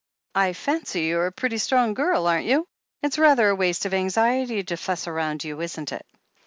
"I fancy you're a pretty strong girl, aren't you? It's rather waste of anxiety to fuss around you, isn't it?"